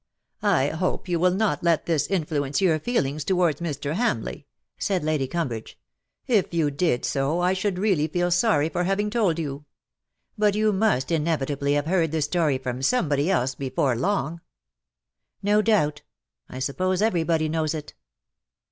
"I hope you will not let this influence your feelings towards Mr. Hamleigh,'' said Lady Cum LE SECRET DE POLICHINELLE. 243 berbridge ;" if you did so^ I should really feel sorry for having told you. But you must inevitably have heard the story from somebody else before long/^ No doubt. I suppose everybody knows it.